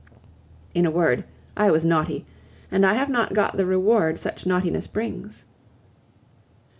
In a word, I was naughty, and I have not got the reward such naughtiness brings.